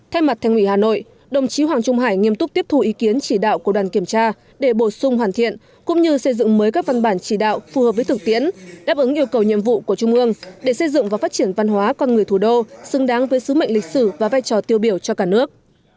thay mặt thành ủy hà nội đồng chí hoàng trung hải nghiêm túc tiếp thù ý kiến chỉ đạo của đoàn kiểm tra để bổ sung hoàn thiện cũng như xây dựng mới các văn bản chỉ đạo phù hợp với thực tiễn đáp ứng yêu cầu nhiệm vụ của trung ương để xây dựng và phát triển văn hóa con người thủ đô xứng đáng với sứ mệnh lịch sử và vai trò tiêu biểu cho cả nước